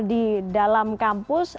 di dalam kampus